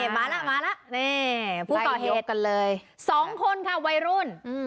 มาแล้วมาแล้วนี่ผู้ก่อเหตุก่อนเลยสองคนค่ะวัยรุ่น